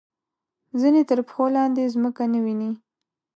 ځینې تر پښو لاندې ځمکه نه ویني.